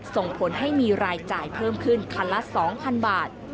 ส่งผลให้มีรายจ่ายเพิ่มขึ้นคันละ๒๐๐๐บาท